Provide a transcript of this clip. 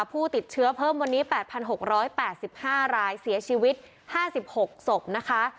ผู้ติดเชื้อเพิ่มวันนี้๘๖๘๕รายเสียชีวิต๕๖ศพนะคะ